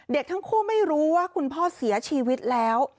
เด็กทั้งคู่ไม่รู้ว่าคุณพ่อเสียชีวิตแล้ว